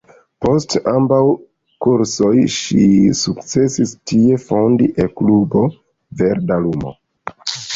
Post ambaŭ kursoj ŝi sukcesis tie fondi E-klubon "Verda lumo".